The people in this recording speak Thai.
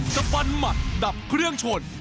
ฟันหมัดดับเครื่องชน